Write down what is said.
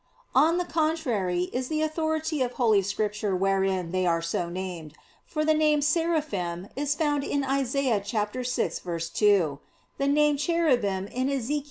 On the contrary is the authority of Holy Scripture wherein they are so named. For the name "Seraphim" is found in Isa. 6:2; the name "Cherubim" in Ezech.